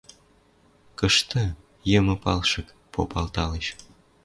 «Кышты, йымы, палшык? — попалталеш.